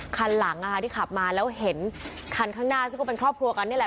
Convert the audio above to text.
คันหลังที่ขับมาแล้วเห็นคันข้างหน้าซึ่งก็เป็นครอบครัวกันนี่แหละ